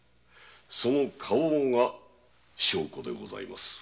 その花押が証拠でございます。